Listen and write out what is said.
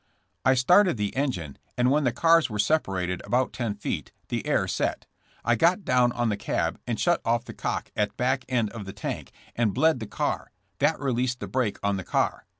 I started the engine and when the cars were separated about ten feet, the air set; I got down on the cab and shut off the cock at back end of the tank and *bled' the car; that released the brake on the car.